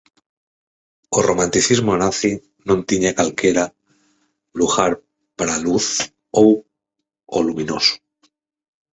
O romanticismo nazi non tiña calquera lugar para a "luz" ou o "luminoso".